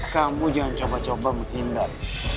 kamu jangan coba coba menghindar